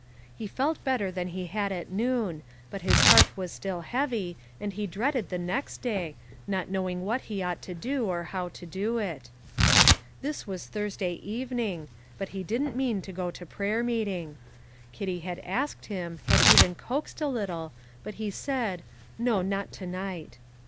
He felt better than he had at noon, but his heart was still heavy, and he dreaded the next day, not knowing what he ought to do, or how to do it. This was Thursday evening, but he didn't mean to go to prayer meeting. Kitty had asked him, had even coaxed a little, but he said, "No, not to night."